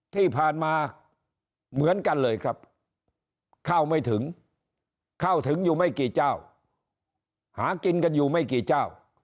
ที่ผ่านมาเหมือนกันเลยครับเข้าไม่ถึงเข้าถึงอยู่ไม่กี่เจ้าหากินกันอยู่ไม่กี่เจ้า